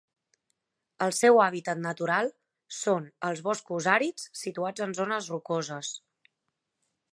El seu hàbitat natural són els boscos àrids situats en zones rocoses.